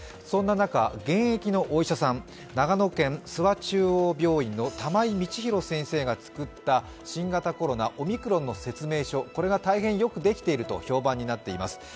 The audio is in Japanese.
そんな中、現役のお医者さん長野県諏訪中央病院の玉井先生が作った新型コロナオミクロンの説明書、これが大変よくできていると評判になっています。